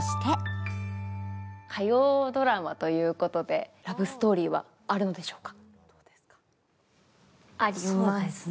火曜ドラマということで、ラブストーリーはあるのでしょうか？